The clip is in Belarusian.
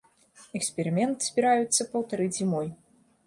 Эксперымент збіраюцца паўтарыць зімой.